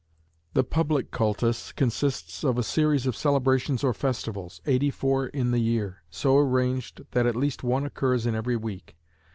The public cultus consists of a series of celebrations or festivals, eighty four in the year, so arranged that at least one occurs in every week.